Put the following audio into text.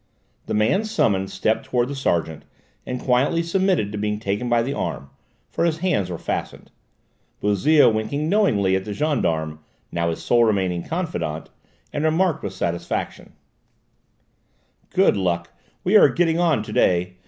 The man summoned stepped towards the sergeant, and quietly submitted to being taken by the arm, for his hands were fastened. Bouzille winked knowingly at the gendarme, now his sole remaining confidant, and remarked with satisfaction: "Good luck! We are getting on to day!